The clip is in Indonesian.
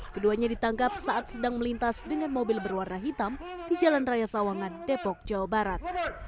keduanya ditangkap saat sedang melintas dengan mobil berwarna hitam di jalan raya sawangan depok jawa barat